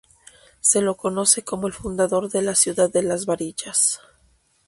Se lo conoce como el fundador de la ciudad de Las Varillas.